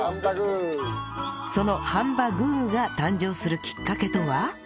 そのハンバ具ーが誕生するきっかけとは？